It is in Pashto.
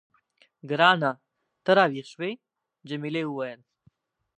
ګرانه، ته راویښ شوې؟ جميلې وويل:.